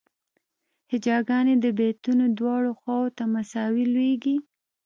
هجاګانې د بیتونو دواړو خواوو ته مساوي لویږي.